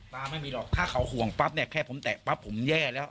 ไม่มีหรอกถ้าเขาห่วงปั๊บเนี่ยแค่ผมแตะปั๊บผมแย่แล้ว